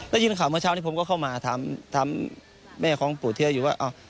ได้ยินข่าวเมื่อเช้านี้ผมก็เข้ามาถามแม่ของปู่เทียอยู่ว่า